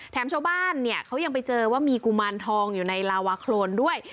ชาวบ้านเนี่ยเขายังไปเจอว่ามีกุมารทองอยู่ในลาวาโครนด้วย